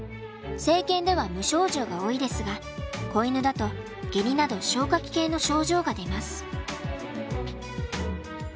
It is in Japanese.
成犬では無症状が多いですが子犬だとゲリなど消化器系の症状が出ます。